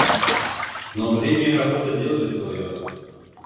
Но время и работа делали свое.